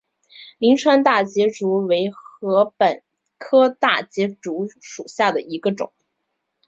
灵川大节竹为禾本科大节竹属下的一个种。